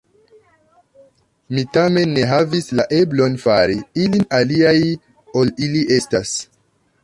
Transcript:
Mi tamen ne havis la eblon fari ilin aliaj, ol ili estas.